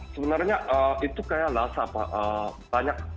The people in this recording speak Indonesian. sebenarnya itu kaya rasa banyak